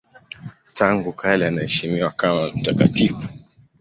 Tangu kale anaheshimiwa kama mtakatifu.